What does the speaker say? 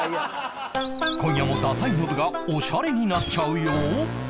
今夜もダサいノブがオシャレになっちゃうよ